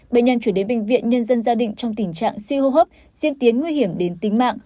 bệnh nhân chuyển đến bệnh viện nhân dân gia định trong tình trạng suy hô hấp diễn tiến nguy hiểm đến tính mạng